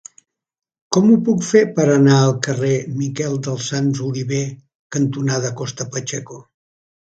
Com ho puc fer per anar al carrer Miquel dels Sants Oliver cantonada Costa Pacheco?